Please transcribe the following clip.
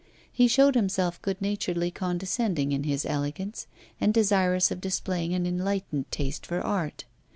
He showed himself good naturedly condescending in his elegance, and desirous of displaying an enlightened taste for art.